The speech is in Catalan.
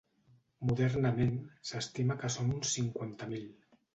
Modernament s'estima que són uns cinquanta mil.